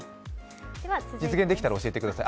実現できたら教えてください。